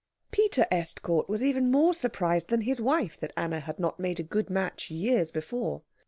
Peter Estcourt was even more surprised than his wife that Anna had not made a good match years before.